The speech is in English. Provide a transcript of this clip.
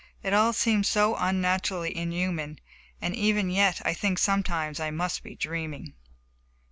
It all seems so unnaturally inhuman, that, even yet, I think sometimes I must be dreaming.